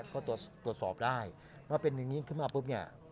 ก็ตรวจสอบได้ถ้าเป็นอย่างนี้ขึ้นมาปุ๊บเนี่ย